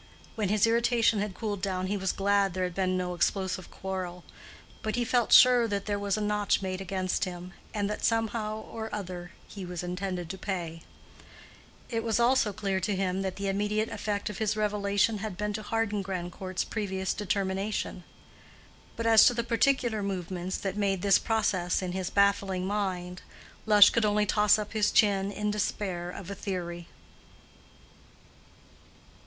When his irritation had cooled down he was glad there had been no explosive quarrel; but he felt sure that there was a notch made against him, and that somehow or other he was intended to pay. It was also clear to him that the immediate effect of his revelation had been to harden Grandcourt's previous determination. But as to the particular movements that made this process in his baffling mind, Lush could only toss up his chin in despair of a theory.